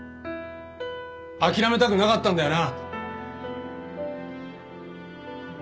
諦めたくなかったんだよな？